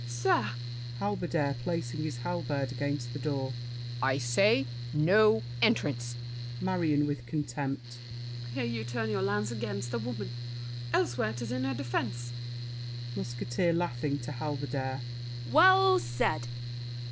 Sir! HALBERDIER (placing his halberd against the door). I say, No entrance! MARION (with contempt). Here you turn your lance against A woman. Elsewhere, 'tis in her defense. MUSKETEER (laughing, to Halberdier). Well said!